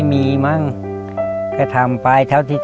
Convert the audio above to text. ซึ่งเป็นคำตอบที่